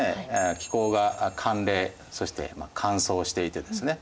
気候が寒冷そして乾燥していてですね